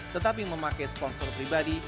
tetapi memakai sponsor pribadi